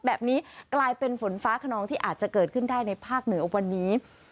แบบนี้กลายเป็นฝนฟ้าขนองที่อาจจะเกิดขึ้นได้ในภาคเหนือวันนี้